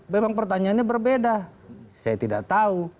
memang pertanyaannya berbeda saya tidak tahu